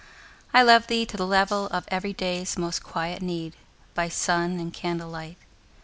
I love thee to the level of everyday's Most quiet need, by sun and candlelight.